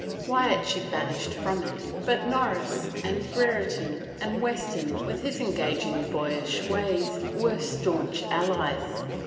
Wyatt she banished from it, but Norris and Brereton and Weston with his engaging boyish ways, were stanch allies.